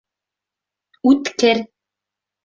Үткер